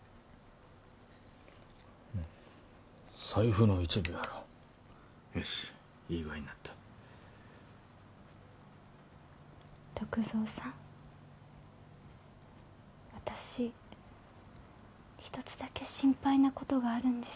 財布の一部やろよしいい具合になった篤蔵さん私ひとつだけ心配なことがあるんです